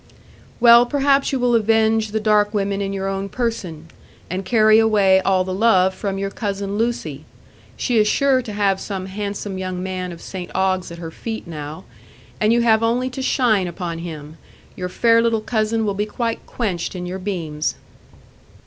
"Well, perhaps you will avenge the dark women in your own person, and carry away all the love from your cousin Lucy. She is sure to have some handsome young man of St Ogg's at her feet now; and you have only to shine upon him—your fair little cousin will be quite quenched in your beams."